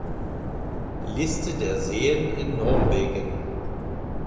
Liste der Seen in Norwegen